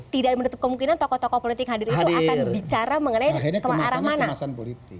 tidak ada menutup kemungkinan tokoh tokoh politik yang hadir itu akan bicara mengenai kemasan politik